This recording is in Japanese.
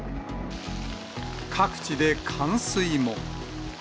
各地で冠水も。